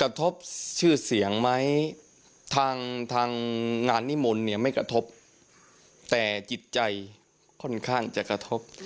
กระทบชื่อเสียงไหมทางทางงานนิมนต์เนี่ยไม่กระทบแต่จิตใจค่อนข้างจะกระทบ